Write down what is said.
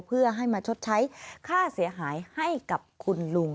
เพื่อให้มาชดใช้ค่าเสียหายให้กับคุณลุง